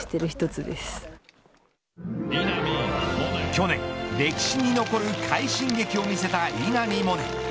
去年、歴史に残る快進撃を見せた稲見萌寧。